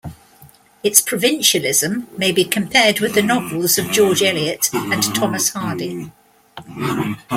Its provincialism may be compared with the novels of George Eliot and Thomas Hardy.